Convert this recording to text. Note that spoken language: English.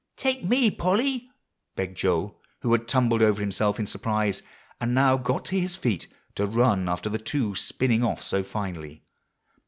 "Take me, Polly!" begged Joel, who had tumbled over himself in surprise, and now got to his feet to run after the two spinning off so finely.